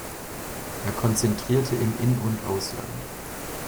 Er konzertierte im In- und Ausland.